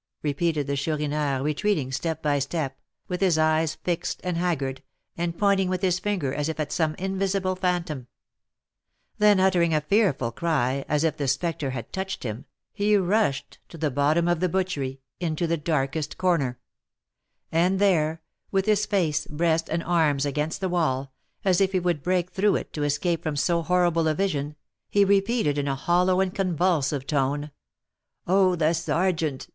repeated the Chourineur, retreating step by step, with his eyes fixed and haggard, and pointing with his finger as if at some invisible phantom. Then uttering a fearful cry, as if the spectre had touched him, he rushed to the bottom of the butchery, into the darkest corner; and there, with his face, breast, and arms against the wall, as if he would break through it to escape from so horrible a vision, he repeated, in a hollow and convulsive tone, "Oh, the sergeant!